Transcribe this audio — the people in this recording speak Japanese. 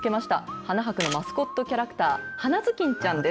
花博のマスコットキャラクター、花ずきんちゃんです。